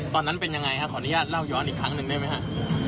ตอนนั้นเป็นยังไงครับขออนุญาตเล่าย้อนอีกครั้งหนึ่งได้ไหมฮะ